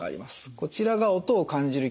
こちらが音を感じる器官です。